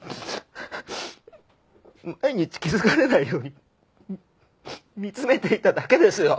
毎日気づかれないように見つめていただけですよ。